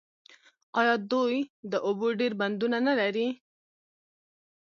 آیا دوی د اوبو ډیر بندونه نلري؟